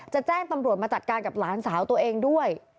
แจ้งตำรวจมาจัดการกับหลานสาวตัวเองด้วย